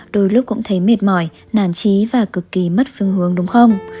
đôi lúc cũng thấy mệt mỏi nản trí và cực kỳ mất phương hướng đúng không